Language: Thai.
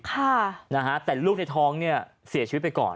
แต่ลูกในท้องเสียชีวิตไปก่อน